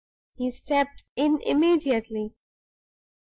He stepped in immediately.